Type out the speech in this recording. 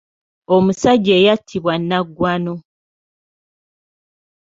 Omusajja ayitibwa Nnaggwano.